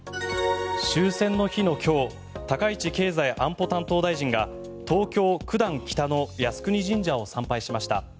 終戦の日の今日高市経済安保担当大臣が東京・九段北の靖国神社を参拝しました。